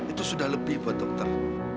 itu sudah lebih buat dokter